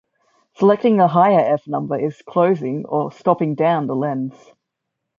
Selecting a higher f-number is "closing" or "stopping down" the lens.